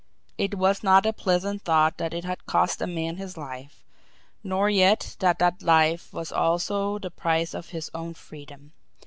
It was not a pleasant thought that it had cost a man his life, nor yet that that life was also the price of his own freedom.